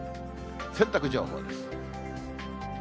洗濯情報です。